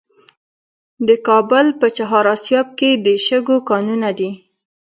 د کابل په چهار اسیاب کې د شګو کانونه دي.